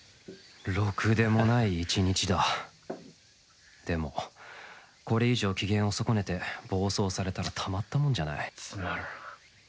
ろくでもない１日だでもこれ以上機嫌を損ねて暴走されたらたまったもんじゃないつまらん。